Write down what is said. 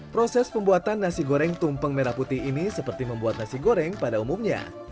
proses pembuatan nasi goreng tumpeng merah putih ini seperti membuat nasi goreng pada umumnya